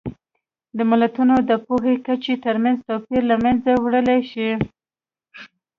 د ملتونو د پوهې کچې ترمنځ توپیر له منځه وړلی شي.